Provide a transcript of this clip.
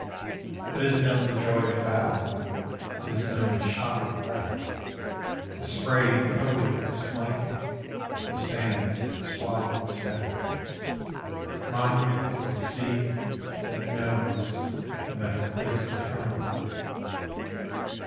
It has known the joy of battle, It has known the shock of wreck: The spray coated its planking, The sands swallow its deck: Monument of the sea, That knows and that forgets eternally.